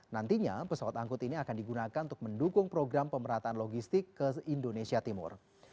nantinya pesawat angkut ini akan digunakan untuk mendukung program pemerataan logistik ke indonesia timur